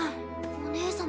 お姉様